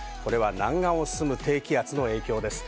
南岸を進む、低気圧の影響です。